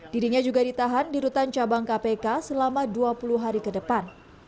dirinya juga ditahan di rutan cabang kpk selama dua puluh hari ke depan